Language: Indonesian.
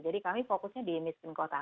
jadi kami fokusnya di miskin kota